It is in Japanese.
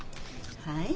はい？